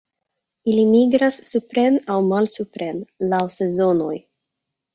Ili migras supren aŭ malsupren laŭ sezonoj.